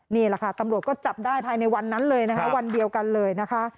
นี่แหละค่ะตำรวจก็จับได้ภายในวันนั้นเลยนะคะวันเดียวกันเลยนะคะ